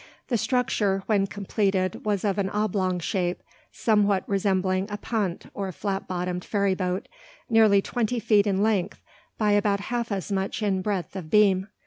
The structure when completed was of an oblong shape, somewhat resembling a punt or flat bottomed ferry boat, nearly twenty feet in length by about half as much in breadth of beam.